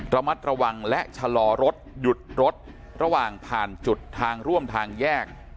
ระมัดระวังและชะลอรถหยุดรถระหว่างผ่านจุดทางร่วมทางแยก